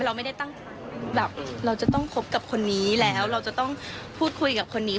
เราไม่ได้ตั้งแบบเราจะต้องคบกับคนนี้แล้วเราจะต้องพูดคุยกับคนนี้